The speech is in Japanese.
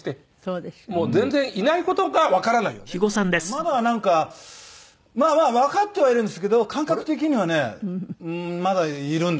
まだなんかまあまあわかってはいるんですけど感覚的にはねまだいるんですよね。